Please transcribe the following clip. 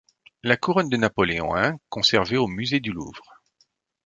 La couronne de Napoléon I, conservée au musée du Louvre.